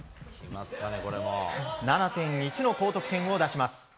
７．１の高得点を出します。